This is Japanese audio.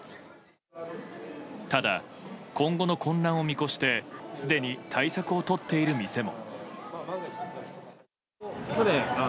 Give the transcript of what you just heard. ただ今後の混乱を見越してすでに対策をとっている店も。